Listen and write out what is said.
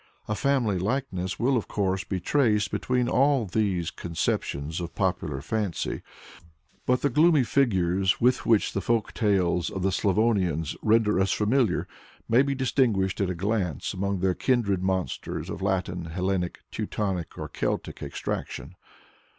A family likeness will, of course, be traced between all these conceptions of popular fancy, but the gloomy figures with which the folk tales of the Slavonians render us familiar may be distinguished at a glance among their kindred monsters of Latin, Hellenic, Teutonic, or Celtic extraction.